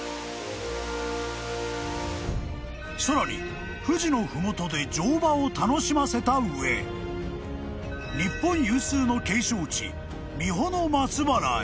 ［さらに富士の麓で乗馬を楽しませた上日本有数の景勝地三保松原へ］